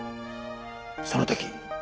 その時。